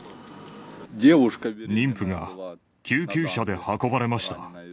妊婦が救急車で運ばれました。